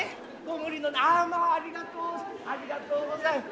ああまあありがとうございます。